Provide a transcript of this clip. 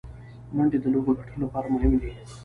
منډې د لوبي ګټلو له پاره مهمي دي.